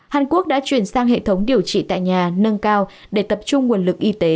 hàn quốc đã chuyển sang hệ thống điều trị tại nhà nâng cao để tập trung nguồn lực y tế